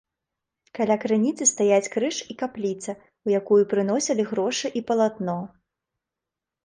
Каля крыніцы стаяць крыж і капліца, у якую прыносілі грошы і палатно.